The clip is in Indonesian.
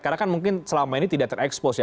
karena kan mungkin selama ini tidak terekspos ya